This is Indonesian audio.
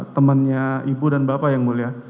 temannya ibu dan bapak yang mulia